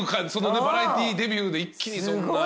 バラエティーデビューで一気にそんな。